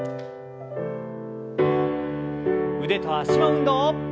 腕と脚の運動。